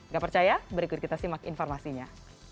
gak percaya berikut kita simak informasinya